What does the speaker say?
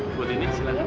ibu tini silakan